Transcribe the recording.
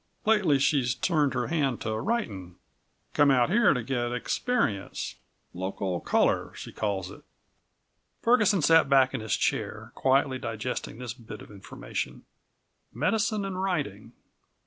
Lately she's turned her hand to writin'. Come out here to get experience local color, she calls it." Ferguson sat back in his chair, quietly digesting this bit of information. Medicine and writing.